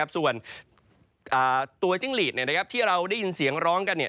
ส่วนตัวจิ้งหลีดที่เราได้ยินเสียงร้องกัน